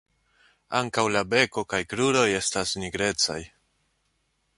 Ankaŭ la beko kaj kruroj estas nigrecaj.